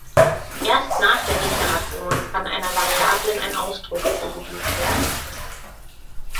Erst nach der Deklaration kann einer Variablen ein Ausdruck zugewiesen werden.